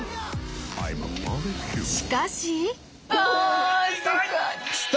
しかし。